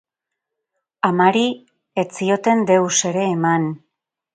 Amari ez zioten deus ere eman.